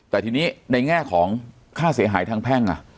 แต่ทีนี้ในแง่ของค่าเสียหายทางแพ่ง